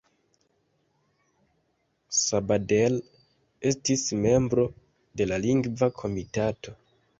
Sabadell estis membro de la Lingva Komitato.